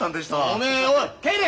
おめえおい帰れ！